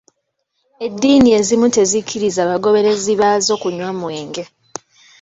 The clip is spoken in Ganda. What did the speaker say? Edddiini ezimu tezikkiriza bagooberezi baazo kunywa mwenge